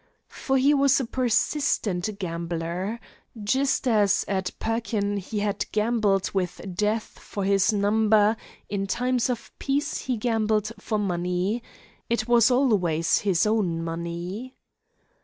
For he was a persistent gambler. Just as at Pekin he had gambled with death for his number, in times of peace he gambled for money. It was always his own money.